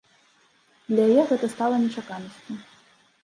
І для яе гэта стала нечаканасцю.